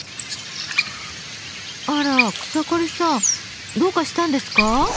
あら草刈さんどうかしたんですか？